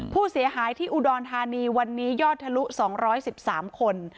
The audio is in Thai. ผู้เสียหายที่อุดรธานีวันนี้ยอดทะลุ๒๑๓คน